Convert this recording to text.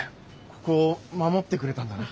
ここを守ってくれたんだな。